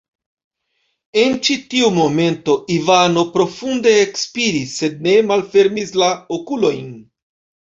En ĉi-tiu momento Ivano profunde ekspiris, sed ne malfermis la okulojn.